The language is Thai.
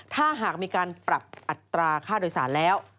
ถ้าหากมีการปรับอัตราค่าโดยสารแล้ว